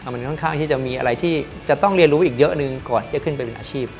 มันค่อนข้างที่จะมีอะไรที่จะต้องเรียนรู้อีกเยอะหนึ่งก่อนที่จะขึ้นไปเป็นอาชีพ